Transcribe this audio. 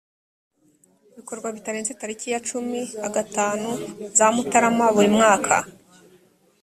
bikorwa bitarenze tariki ya cumin a gatanu za mutarama buri mwaka